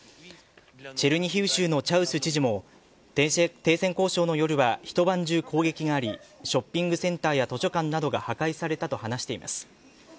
チェルニヒウ州のチャウス知事も停戦交渉の夜は一晩中、攻撃がありショッピングセンターや図書館などが破壊されたと話しています。